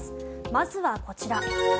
まずはこちら。